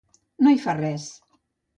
No hi fa res.